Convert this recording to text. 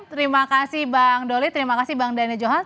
terima kasih bang doli terima kasih bang daniel johan